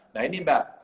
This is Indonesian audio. nah ini mbak